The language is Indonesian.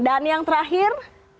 dan yang terakhir